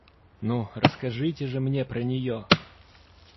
Ну, расскажите же мне про нее.